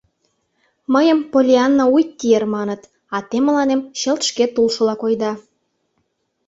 — Мыйым Поллианна Уиттиер маныт, а те мыланем чылт шкет улшыла койыда.